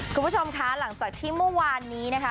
คุณผู้ชมคะหลังจากที่เมื่อวานนี้นะคะ